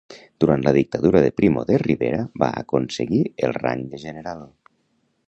Durant la dictadura de Primo de Rivera va aconseguir el rang de general.